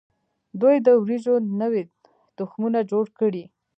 دوی د وریجو نوي تخمونه جوړ کړي.